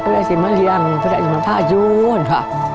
ที่มาเลี้ยงเพื่อนั้นอยู่ต่อ